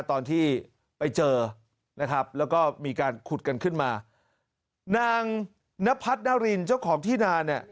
ตอนที่ไปเจอนะครับแล้วก็มีการขุดกันขึ้นมานางนพัฒนารินเจ้าของที่นาเนี่ย